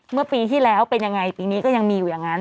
เมื่อปีที่แล้วเป็นยังไงปีนี้ก็ยังมีอยู่อย่างนั้น